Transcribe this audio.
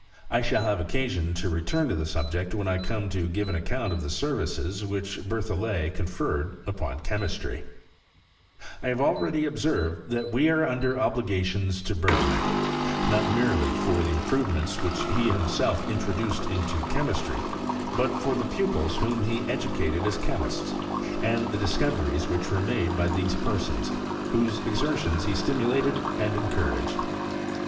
I shall have occasion to return to the subject when I come to give an account of the services which Ber thollet conferred upon chemistry, I have already observed, that we are under oblit gallons to Bergman, not merely for the improve ments which be himself introduced into chemistry, but for the pupils whom he educated as chemists, and the discoveries which were made by those per sons, whose exertions he stimulated and encou raged.